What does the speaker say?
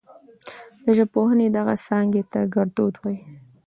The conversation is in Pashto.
د ژبپوهنې دغې څانګې ته ګړدود وايي.